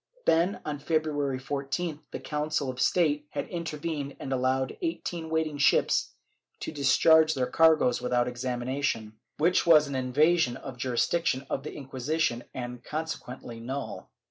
Then, on February 14th the Council of State had inter vened and allowed the eighteen waiting ships to discharge their cargoes without examination, which was an invasion of the juris diction of the Inquisition and consequently null.